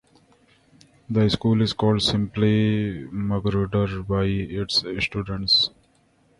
The school is called simply "Magruder" by its students.